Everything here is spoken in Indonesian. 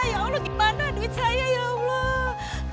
ya allah gimana duit saya ya allah